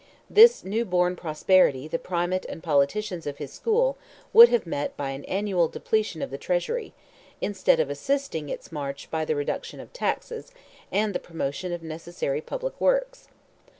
This new born prosperity the Primate and politicians of his school would have met by an annual depletion of the treasury, instead of assisting its march by the reduction of taxes, and the promotion of necessary public works.